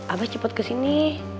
abah cepet kesini